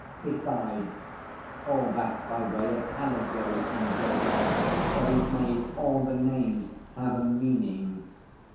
"Besides, all that's by way of allegory in Gogol, for he's made all the names have a meaning.